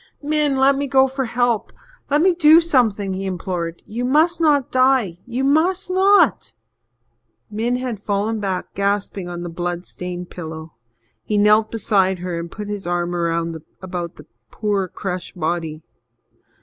"Min, let me go for help let me do something," he implored. "You must not die you must not!" Min had fallen back, gasping, on the blood stained pillow. He knelt beside her and put his arm about the poor, crushed body.